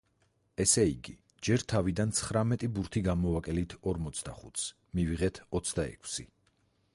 ესე იგი, ჯერ თავიდან ცხრამეტი ბურთი გამოვაკელით ორმოცდახუთს, მივიღეთ ოცდაექვსი.